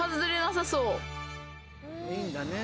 いいんだね。